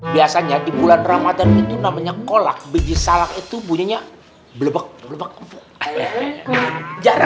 biasanya di bulan ramadhan ini namanya colok biji salah pada biasanya di bulan ramadhan rumah mutranya kholat biji salah